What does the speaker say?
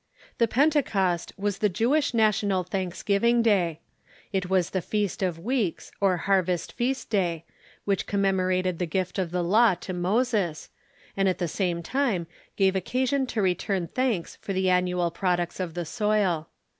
The Pentecost was the Jewish national thanksgiving day. It was the feast of weeks, or harvest feast day, which com memorated the gift of the Law to Moses, and at reac mg a ^| same time £jave occasion to return thanks for Pentecost !=• t i the annual products of the soil.